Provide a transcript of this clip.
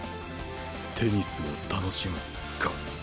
テニスを楽しむか。